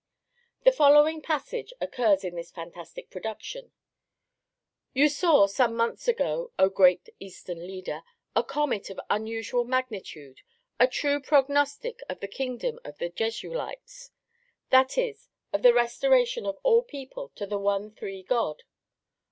The following passage occurs in this fantastic production: "You saw, some months ago, O great Eastern Leader, a comet of unusual magnitude, a true prognostic of the Kingdom of the Jesuelites, that is, of the restoration of all people to the one three God.